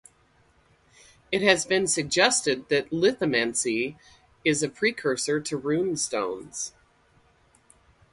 It has been suggested that Lithomancy is a precursor to rune stones.